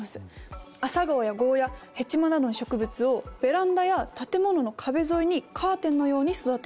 アサガオやゴーヤヘチマなどの植物をベランダや建物の壁沿いにカーテンのように育てる。